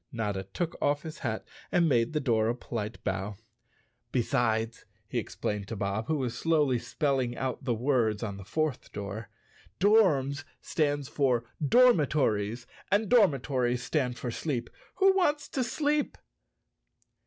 Notta took off his hat and made the door a polite bow. " Besides," he explained to Bob, who was slowly spelling out the words on the fourth door, "Dorms stands for dormitories and dormitories stand for sleep. Who wants to sleep?"